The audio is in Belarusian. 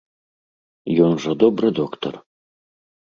Ён жа добры доктар?